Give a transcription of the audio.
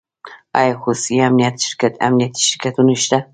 آیا خصوصي امنیتي شرکتونه شته؟